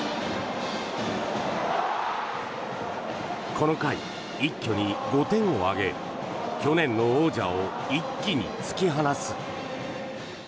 この回、一挙に５点を挙げ去年の王者を一気に突き放す。